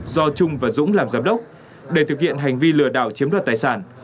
do trung và dũng làm giám đốc để thực hiện hành vi lừa đảo chiếm đoạt tài sản